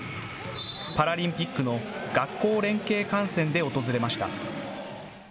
パラリンピックの学校連携観戦で訪れました。